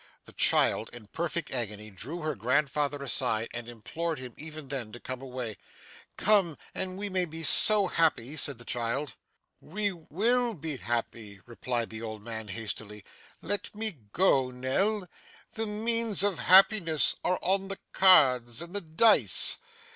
The child, in a perfect agony, drew her grandfather aside, and implored him, even then, to come away. 'Come; and we may be so happy,' said the child. 'We WILL be happy,' replied the old man hastily. 'Let me go, Nell. The means of happiness are on the cards and the dice.